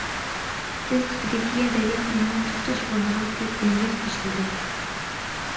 بىز خەرىتىگە بەلگە قىلىنغان توختاش ئورنىغا كېلىپ لەڭگەر تاشلىدۇق.